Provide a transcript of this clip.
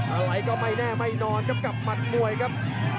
อะไรก็ไม่แน่ไม่นอนครับกับหมัดมวยครับ